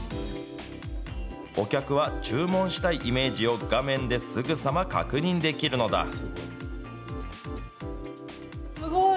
お客は注文したいイメージを、画面ですぐさま確認できるのだ。